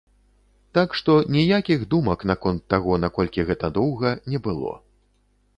Так што, ніякіх думак наконт таго, наколькі гэта доўга, не было.